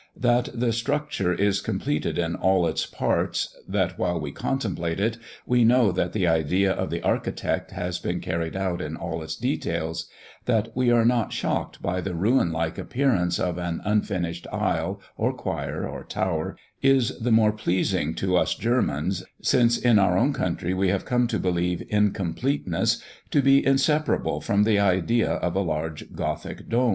That the structure is completed in all its parts, that while we contemplate it we know that the idea of the architect has been carried out in all its details, that we are not shocked by the ruin like appearance of an unfinished aisle, or choir, or tower, is the more pleasing to us Germans, since in our own country we have come to believe incompleteness to be inseparable from the idea of a large gothic "Dom."